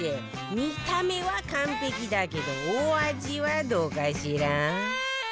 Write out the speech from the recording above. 見た目は完璧だけどお味はどうかしら？